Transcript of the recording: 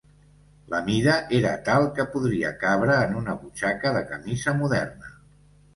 La mida era tal que podria cabre en una butxaca de camisa moderna.